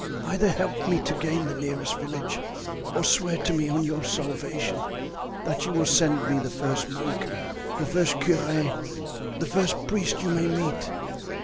Either help me to gain the nearest village or swear to me on your salvation that you will send me the first monk, the first curé, the first priest you may meet.